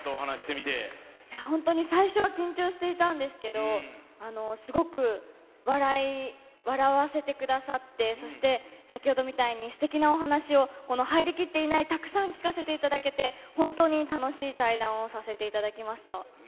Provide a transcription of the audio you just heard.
本当に最初は緊張していたんですけど、すごく笑い、笑わせてくださって、そして先ほどみたいにすてきなお話を、この入りきっていない、たくさん聞かせていただけて、本当に楽しい対談をさせていただきました。